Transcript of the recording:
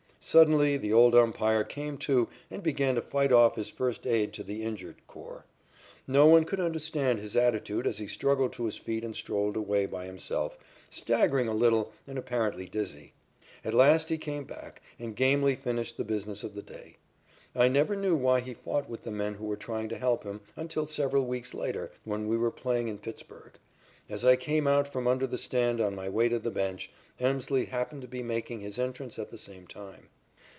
Suddenly the old umpire came to and began to fight off his first aid to the injured corps. No one could understand his attitude as he struggled to his feet and strolled away by himself, staggering a little and apparently dizzy. At last he came back and gamely finished the business of the day. I never knew why he fought with the men who were trying to help him until several weeks later, when we were playing in Pittsburg. As I came out from under the stand on my way to the bench, Emslie happened to be making his entrance at the same time.